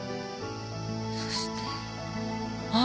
そしてあっ